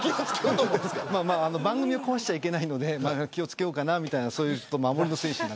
番組を壊しちゃいけないので気を付けようかなっていう守りの精神。